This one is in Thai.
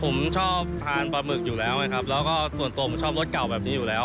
ผมชอบทานปลาหมึกอยู่แล้วไงครับแล้วก็ส่วนตัวผมชอบรสเก่าแบบนี้อยู่แล้ว